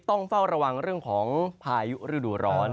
ต้องเฝ้าระวังเรื่องของพายุฤดูร้อน